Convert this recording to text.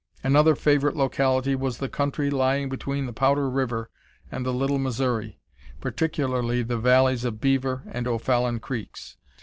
Another favorite locality was the country lying between the Powder River and the Little Missouri, particularly the valleys of Beaver and O'Fallon Creeks.